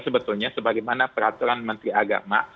sebetulnya sebagaimana peraturan menteri agama